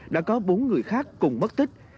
đã có bốn người khác cùng mất tích